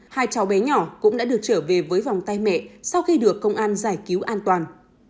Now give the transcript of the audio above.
hai cháu bé nhỏ cũng đã được trở về với vòng tay mẹ sau khi được công an giải cứu an toàn